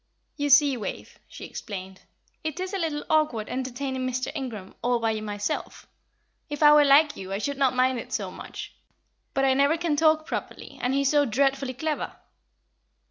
"You see, Wave," she explained, "it is a little awkward entertaining Mr. Ingram all by myself. If I were like you I should not mind it so much; but I never can talk properly, and he is so dreadfully clever."